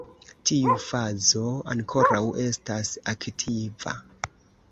Tiu fazo ankoraŭ estas aktiva.